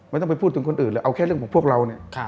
ไม่ต้องไปพูดถึงคนอื่นเลยเอาแค่เรื่องของพวกเราเนี่ย